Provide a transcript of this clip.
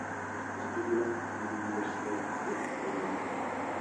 Estudio en la Universidad de Salamanca.